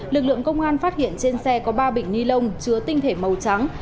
lực lượng công an phát hiện trên xe có ba bịch ni lông chứa tinh thể màu trắng